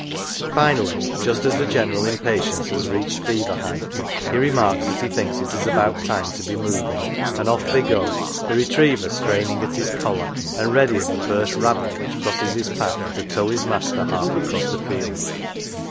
Finally, just as the general impatience has reached fever height, he remarks that he thinks it is about time to be moving, and off they go ; the retriever straining at his collar, and ready, at the first rabbit which crosses his path, to tow his master half across a field.